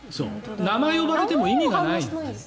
名前呼ばれても意味ない。